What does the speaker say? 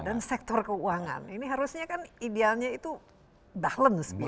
dan sektor keuangan ini harusnya kan idealnya itu balance gitu